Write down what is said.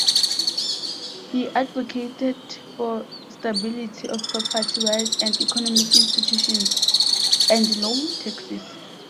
He advocated for stability of property rights and economic institutions, and low taxes.